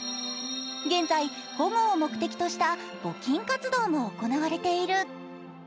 現在、保護を目的とした募金活動も行われている。